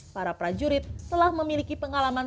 para prajurit telah memiliki pengalaman